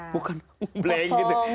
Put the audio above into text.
bukan blank gitu